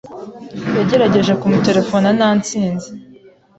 Yagerageje kumuterefona nta ntsinzi.